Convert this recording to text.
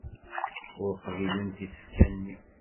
Ur qbilent isefka-nni.